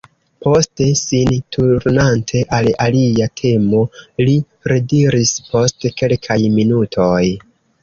Poste, sin turnante al alia temo, li rediris post kelkaj minutoj: